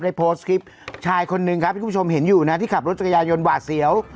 โพสต์คลิปชายคนนึงครับที่คุณผู้ชมเห็นอยู่นะที่ขับรถจักรยายนหวาดเสียว